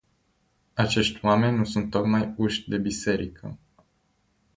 Acești oameni nu sunt tocmai uși de biserică.